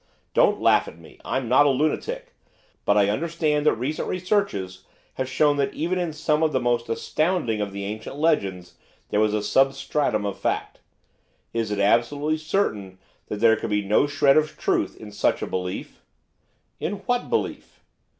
'Don't laugh at me I'm not a lunatic! but I understand that recent researches have shown that even in some of the most astounding of the ancient legends there was a substratum of fact. Is it absolutely certain that there could be no shred of truth in such a belief?' 'In what belief?